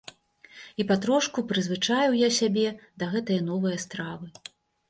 І патрошку прызвычаіў я сябе да гэтае новае стравы.